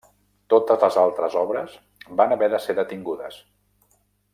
Totes les altres obres van haver de ser detingudes.